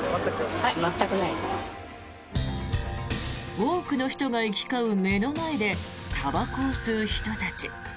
多くの人が行き交う目の前でたばこを吸う人たち。